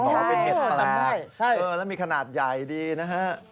บอกว่าเป็นเห็ดแปลกแล้วมีขนาดใหญ่ดีนะฮะ